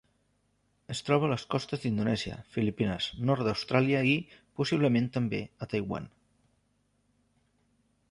Es troba a les costes d'Indonèsia, Filipines, nord d'Austràlia i, possiblement també, a Taiwan.